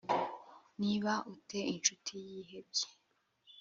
niba u te incuti yihebye